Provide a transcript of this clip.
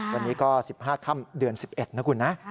วันนี้ก็๑๕ค่ำเดือน๑๑นะคุณนะ